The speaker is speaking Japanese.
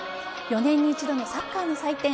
４年に一度のサッカーの祭典